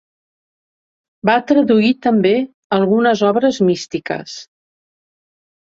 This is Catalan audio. Va traduir també algunes obres místiques.